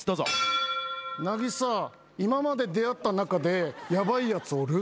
今まで出会った中でヤバいやつおる？